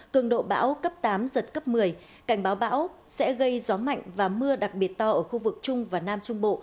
cường độ bão cấp tám giật cấp một mươi cảnh báo bão sẽ gây gió mạnh và mưa đặc biệt to ở khu vực trung và nam trung bộ